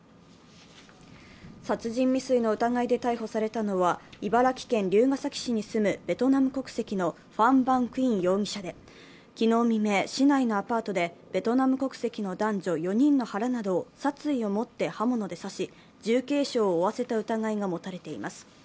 殺人未遂の疑いで逮捕されたのは、茨城県龍ケ崎市に住むベトナム国籍のファン・ヴァン・クィン容疑者で昨日未明、市内のアパートでベトナム国籍の男女４人の腹などを殺意を持って刃物で刺し、重軽傷を負わせた疑いが持たれています。